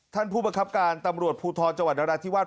ท่านผู้ประคับการตำรวจภูทรจังหวัดนราธิวาส